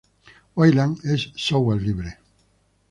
Wayland es software libre.